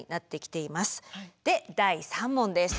で第３問です。